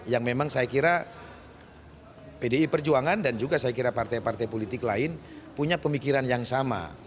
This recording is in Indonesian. yang memang saya kira pdi perjuangan dan juga saya kira partai partai politik lain punya pemikiran yang sama